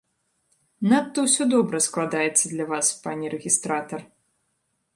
Надта ўсё добра складаецца для вас, пане рэгістратар.